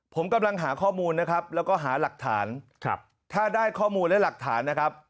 ผมกำลังหาข้อมูลนะครับแล้วก็หาหลักฐานถ้าได้ข้อมูลและหลักฐานนะครับ